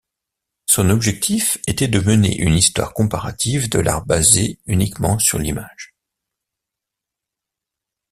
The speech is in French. Son objectif était de mener une histoire comparative de l'art basée uniquement sur l'image.